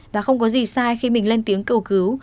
và không có gì sai khi mình lên tiếng cầu cứu